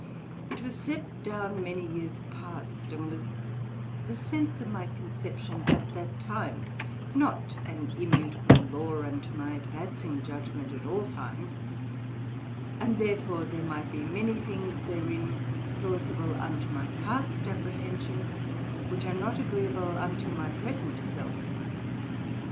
It was set down many years past, and was the sense of my conception at that time, not an immutable Law unto my advancing judgement at all times; and therefore there might be many things therein plausible unto my passed apprehension, which are not agreeable until my present self.